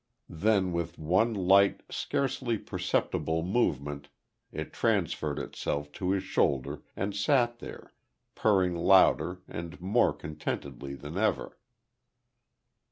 Then, with one light, scarcely perceptible, movement it transferred itself to his shoulder and sat there, purring louder and more contentedly than ever.